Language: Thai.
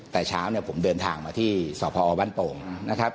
แต่เช้าเนี่ยผมเดินทางมาที่สพบ้านโป่งนะครับ